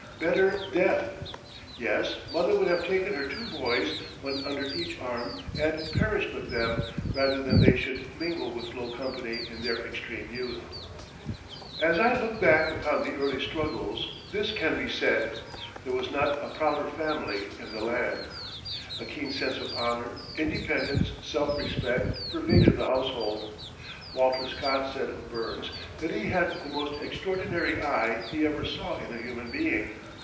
Better death. Yes, mother would have taken her two boys, one under each arm, and perished with them rather than they should mingle with low company in their extreme youth. As I look back upon the early struggles this can be said: there was not a prouder family in the land. A keen sense of honor, independence, self respect, pervaded the household. Walter Scott said of Burns that he had the most extraordinary eye he ever saw in a human being.